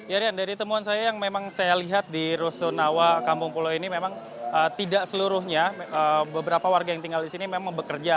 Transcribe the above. ya rian dari temuan saya yang memang saya lihat di rusunawa kampung pulau ini memang tidak seluruhnya beberapa warga yang tinggal di sini memang bekerja